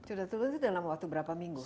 sudah turun itu dalam waktu berapa minggu